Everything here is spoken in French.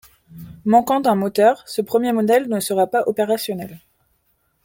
Manquant d’un moteur, ce premier modèle ne sera pas opérationnel.